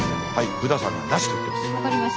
ブダさんがなしと言ってます。